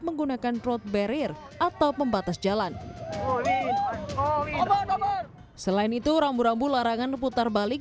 menggunakan road barrier atau pembatas jalan selain itu rambu rambu larangan putar balik